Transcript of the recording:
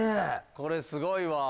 これすごいわ！